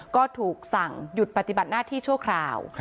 ก็ถูกสั่งหยุดปฏิบัติหน้าที่ชั่วคราว